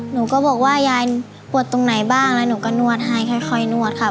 หนูก็บอกว่ายายปวดตรงไหนบ้างแล้วหนูก็นวดให้ค่อยนวดครับ